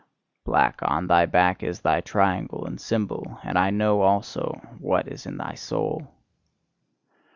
Black on thy back is thy triangle and symbol; and I know also what is in thy soul.